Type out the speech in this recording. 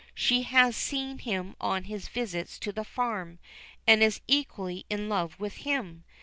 She has seen him on his visits to the farm, and is equally in love with him.